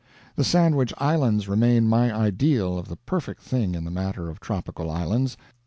The Sandwich Islands remain my ideal of the perfect thing in the matter of tropical islands.